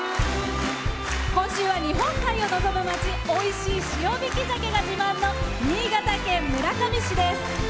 今週は日本海を望む町おいしい塩引き鮭が自慢の新潟県村上市です。